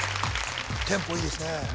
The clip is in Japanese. テンポいいですね